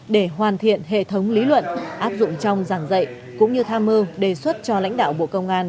để hoàn thiện hệ thống lý luận áp dụng trong giảng dạy cũng như tham mơ đề xuất cho lãnh đạo bộ công an